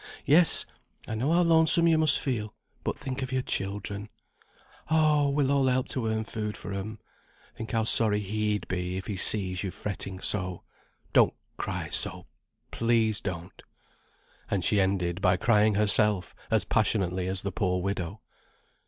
Yes, I know how lonesome you must feel; but think of your children. Oh! we'll all help to earn food for 'em. Think how sorry he'd be, if he sees you fretting so. Don't cry so, please don't." And she ended by crying herself, as passionately as the poor widow.